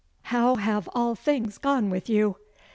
How have all things gone with you?